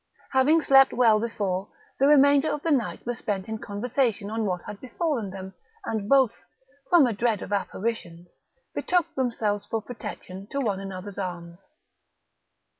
Having slept well before, the remainder of the night was spent in conversation on what had befallen them, and both, from a dread of apparitions, betook themselves for protection to one another's arms.